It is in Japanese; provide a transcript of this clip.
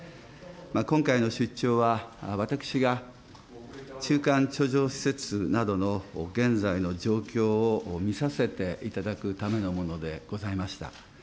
今回の出張は私が中間貯蔵施設などの現在の状況を見させていただくためのものでございました。